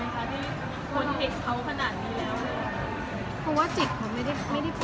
เขารู้เรื่องของเขาไหมคะที่ควรเห็นเขาขนาดนี้แล้ว